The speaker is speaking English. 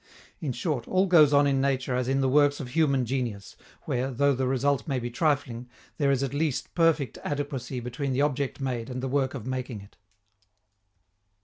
In short, all goes on in nature as in the works of human genius, where, though the result may be trifling, there is at least perfect adequacy between the object made and the work of making it.